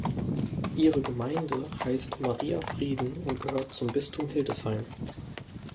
Ihre Gemeinde heißt Maria Frieden und gehört zum Bistum Hildesheim.